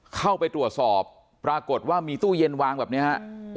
เข้าไปตรวจสอบปรากฏว่ามีตู้เย็นวางแบบนี้ฮะ